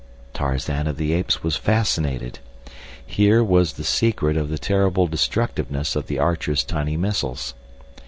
Tarzan of the Apes was fascinated. Here was the secret of the terrible destructiveness of The Archer's tiny missiles.